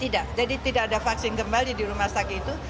tidak jadi tidak ada vaksin kembali di rumah sakit itu